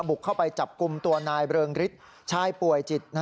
บุกเข้าไปจับกลุ่มตัวนายเริงฤทธิ์ชายป่วยจิต